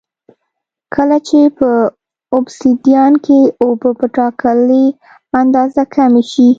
کله چې په اوبسیدیان کې اوبه په ټاکلې اندازه کمې شي